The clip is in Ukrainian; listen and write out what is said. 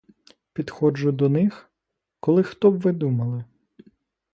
Підходжу до них — коли, хто б ви думали?